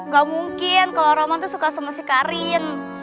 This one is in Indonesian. ga mungkin kalo roman tuh suka sama si karin